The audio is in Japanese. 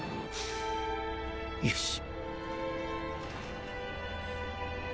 よし！